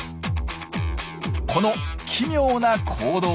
この奇妙な行動。